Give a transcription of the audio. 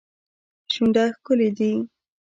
شونډه ښکلې دي.